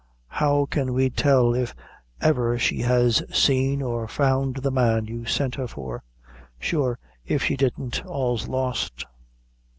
How can we tell if ever she has seen or found the man you sent her for? Sure, if she didn't, all's lost."